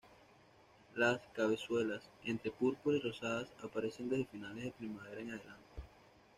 Las cabezuelas, entre púrpura y rosadas, aparecen desde finales de primavera en adelante.